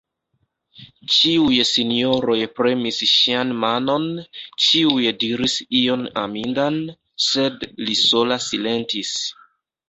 Ĉiuj sinjoroj premis ŝian manon, ĉiuj diris ion amindan, sed li sola silentis.